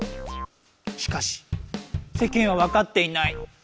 しかしせけんはわかっていない！